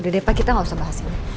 udah deh pak kita gak usah bahas ini